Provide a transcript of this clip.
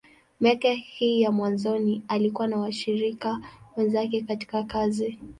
Miaka hii ya mwanzoni, alikuwa na washirika wenzake katika kazi.